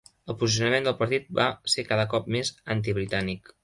El posicionament del partit va ser cada cop més anti-britànic.